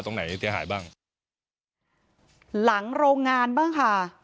ตรงไหนเสียหายบ้างหลังโรงงานบ้างค่ะ